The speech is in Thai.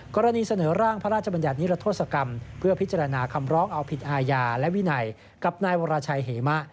กรณีเสนอร่างพระราชบัญญัตินิรัทธศกรรมเพื่อพิจารณาคำร้องเอาผิดอาญาและวินัยกับนายวรชัยเหมะ